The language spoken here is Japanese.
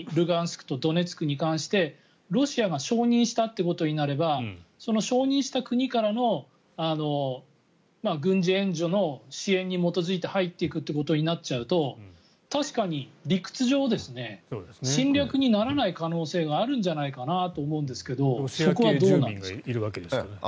ドネツクとルガンスクに対してロシアが承認したということになればその承認した国からの軍事援助の支援に基づいて入っていくということになっちゃうと確かに理屈上、侵略にならない可能性があるんじゃないかなと思うんですけどそこはどうなんですか。